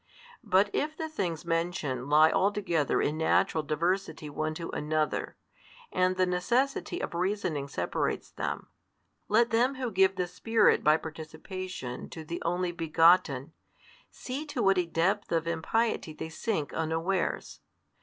But if the things mentioned lie altogether in natural diversity one to another, and the necessity of reasoning separates them, let them who give the Spirit by participation to the Only Begotten, see to what a depth of impiety they sink unawares.